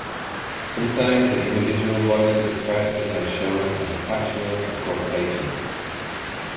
Sometimes the individual voices of characters are shown as a patchwork of quotations.